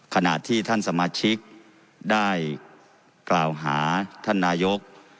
ขณะที่ท่านสมาชิกได้กล่าวหาท่านนายก